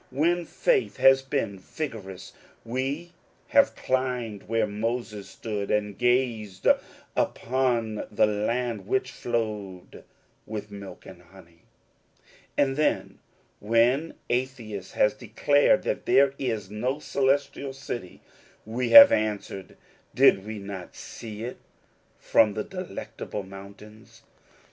When faith has been vigorous we have climbed where Moses stood and gazed upon the land which floweth with milk and honey ; and then, when Atheist has declared that there is no Celestial City, we have answered, " Did we not see It from the Delectable Mountains.